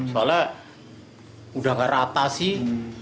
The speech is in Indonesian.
soalnya sudah tidak rata sih